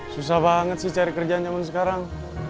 susah banget sih cari kerjaan zaman sekarang